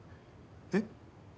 えっ？